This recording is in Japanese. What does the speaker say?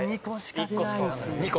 ２個？